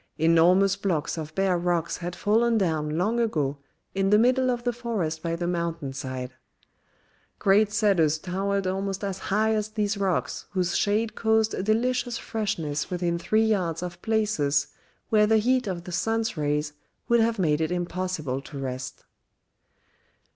Enormous blocks of bare rocks had fallen down long ago in the middle of the forest by the mountain side. Great cedars towered almost as high as these rocks whose shade caused a delicious freshness within three yards of places where the heat of the sun's rays would have made it impossible to rest.